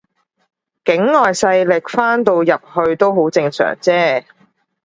境外勢力翻到入去都好正常啫